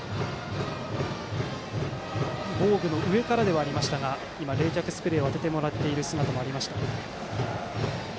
防具の上からではありましたが冷却スプレーを当ててもらう姿もありました。